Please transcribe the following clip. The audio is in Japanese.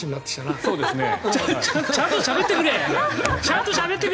ちゃんとしゃべってくれ！